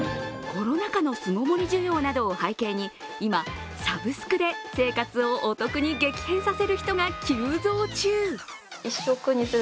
コロナ禍の巣ごもり需要などを背景に、今、サブスクで生活をお得に激変させる人が急増中。